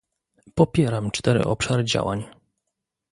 Popieram cztery obszary działań